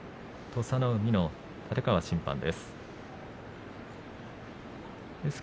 土佐ノ海の立川審判です。